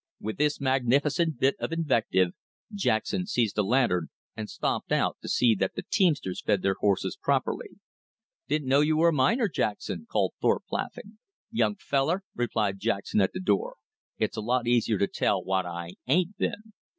With this magnificent bit of invective, Jackson seized a lantern and stumped out to see that the teamsters fed their horses properly. "Didn't know you were a miner, Jackson," called Thorpe, laughing. "Young feller," replied Jackson at the door, "it's a lot easier to tell what I AIN'T been."